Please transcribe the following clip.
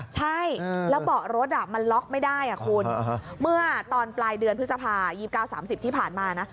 ใช่แล้วเบาะรถมันล็อกไม่ได้คุณเมื่อตอนปลายเดือนพฤษภา๒๙๓๐ที่ผ่านมานะ